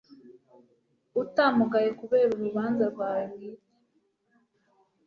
utamugaye kubera urubanza rwawe bwite